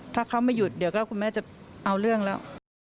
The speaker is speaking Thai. ถ้าเขาไม่หยุดเดี๋ยวก็คุณแม่จะเอาเรื่องแล้ว